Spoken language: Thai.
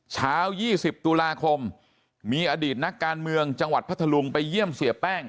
เช้า๒๐ตุลาคมมีอดีตนักการเมืองจังหวัดพัทธลุงไปเยี่ยมเสียแป้ง